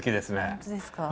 本当ですか？